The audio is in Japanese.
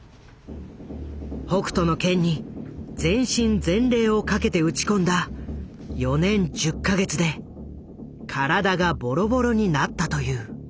「北斗の拳」に全身全霊をかけて打ち込んだ４年１０か月で体がボロボロになったという。